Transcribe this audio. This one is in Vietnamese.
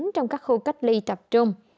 trong các khu cách ly tập trung